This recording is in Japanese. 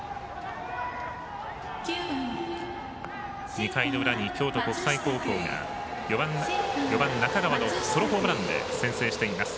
２回の裏に京都国際高校が４番、中川のソロホームランで先制しています。